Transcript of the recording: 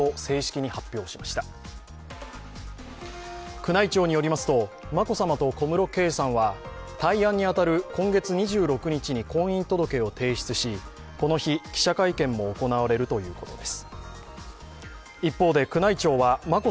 宮内庁によりますと、眞子さまと小室圭さんは大安に当たる今月２６日に婚姻届を提出しこの日、記者会見も行われるということです。